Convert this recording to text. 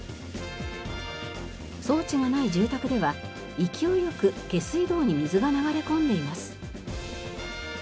装置がない住宅では勢いよく下水道に水が流れ込んでいます。